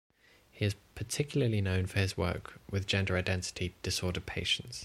He is particularly known for his work with gender identity disorder patients.